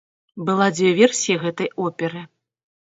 Была дзве версіі гэтай оперы.